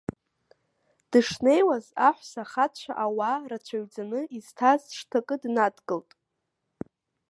Дышнеиуаз, аҳәса, ахацәа, ауаа рацәаҩӡаны изҭаз шҭакы днадгылт.